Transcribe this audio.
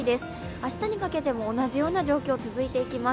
明日にかけても同じような状況が続いていきます。